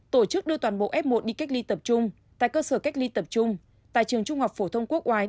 tổ chức đưa toàn bộ f một đi cách ly tập trung tại cơ sở cách ly tập trung tại trường trung học phổ thông quốc oai